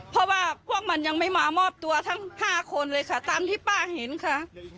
เพราะว่าพวกมันยังไม่มามอบตัวทั้ง๕คนเลยค่ะตามที่ป้าเห็นค่ะ